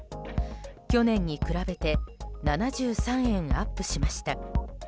去年に比べて７３円アップしました。